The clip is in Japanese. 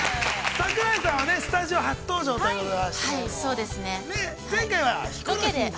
桜井さんはスタジオ、初登場ということで。